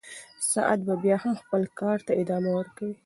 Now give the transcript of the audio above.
ساعت به بیا هم خپل کار ته ادامه ورکوي.